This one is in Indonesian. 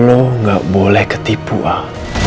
lo gak boleh ketipu al